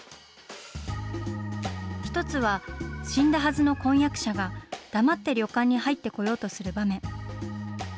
１つは、死んだはずの婚約者が黙って旅館に入ってこようとする場面。